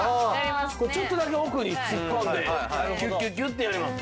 ちょっとだけ奥に突っ込んでキュッキュッキュッてやります。